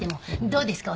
どうですか？